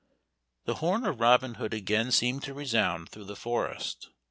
The horn of Robin Hood again seemed to resound through the forest.